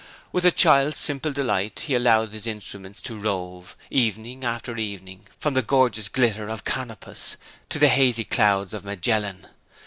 With a child's simple delight he allowed his instrument to rove, evening after evening, from the gorgeous glitter of Canopus to the hazy clouds of Magellan.